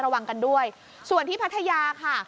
ระวังกันด้วยส่วนที่พัทยาค่ะ